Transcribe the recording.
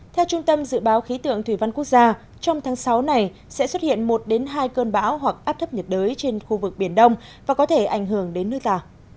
theo trung tâm dự báo khí tượng thủy văn quốc gia trong tháng sáu này sẽ xuất hiện một hai cơn bão hoặc áp thấp nhiệt đới trên khu vực biển đông và có thể ảnh hưởng đến nước ta